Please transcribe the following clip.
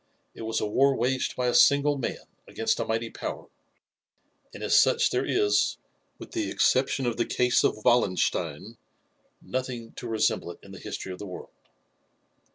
It was a war waged by a single man against a mighty power, and as such there is, with the exception of the case of Wallenstein, nothing to resemble it in the history of the world.